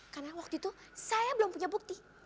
karena waktu itu saya belum punya bukti